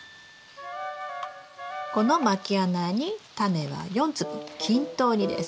このまき穴にタネは４粒均等にです。